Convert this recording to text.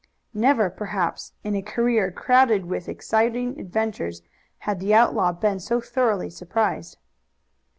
Never, perhaps, in a career crowded with exciting adventures had the outlaw been so thoroughly surprised.